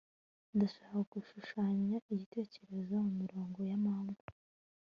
ndashaka gushushanya icyitegererezo mumirongo ya mama